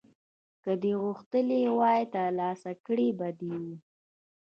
که دې غوښتي وای ترلاسه کړي به دې وو.